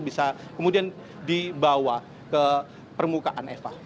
bisa kemudian dibawa ke permukaan eva